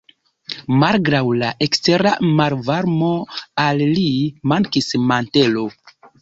Malgraŭ la ekstera malvarmo al li mankis mantelo.